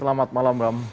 selamat malam bang